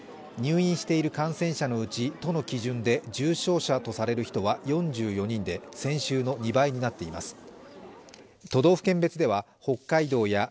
入院している感染者のうち都の基準で重症者とされる人は４４人で先週の２倍になっています。